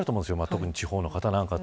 特に地方の方なんか。